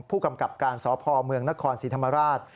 ผู้กำกับการสพเมืองนครศรีธรรมราช